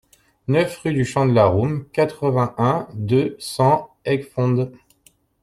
neuf rue du Champ de la Roume, quatre-vingt-un, deux cents, Aiguefonde